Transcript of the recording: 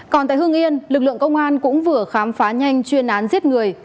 còn tại hương yên lực lượng công an cũng vừa khám phá nhanh chuyên án giết người